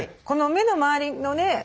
この目の周りのね